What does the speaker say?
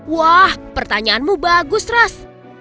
wah pertanyaanmu bagus ras